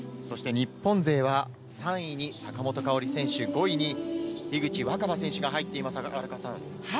そして日本勢は３位に坂本花織選手、５位に樋口新葉選手が入っていますが、荒川さん。